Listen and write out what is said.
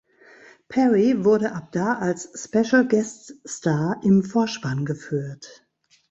Perry wurde ab da als „Special Guest Star“ im Vorspann geführt.